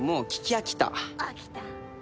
飽きた。